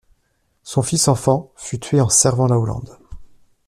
Son fils enfant fut tué en servant la Hollande.